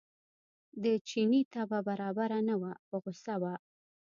د چیني طبع برابره نه وه په غوسه و.